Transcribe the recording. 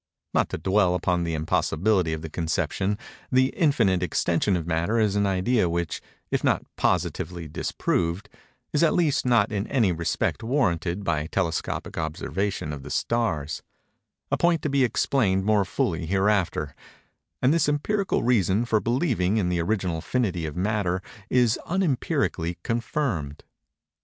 Not to dwell upon the impossibility of the conception, the infinite extension of Matter is an idea which, if not positively disproved, is at least not in any respect warranted by telescopic observation of the stars—a point to be explained more fully hereafter; and this empirical reason for believing in the original finity of Matter is unempirically confirmed.